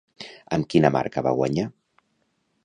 Amb quina marca va guanyar?